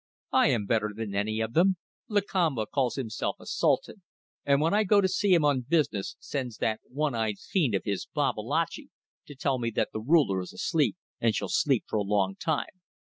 I am better than any of them. Lakamba calls himself a Sultan, and when I go to see him on business sends that one eyed fiend of his Babalatchi to tell me that the ruler is asleep; and shall sleep for a long time.